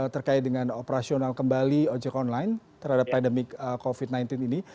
terkait dengan operasional kembali ojek online terhadap pandemi covid sembilan belas ini